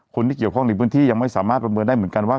คนที่เกี่ยวข้องในพื้นที่ยังไม่สามารถประเมินได้เหมือนกันว่า